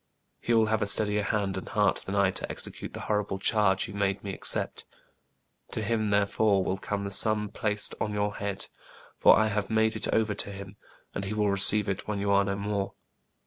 He will have a steadier hand and heart than I to execute the horrible charge you made me accept. To him, therefore, will come the sum placed on your head ; for I have made it over to him, and he will receive it when you are no more.